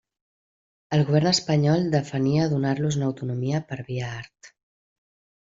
El govern espanyol defenia donar-los una autonomia per via art.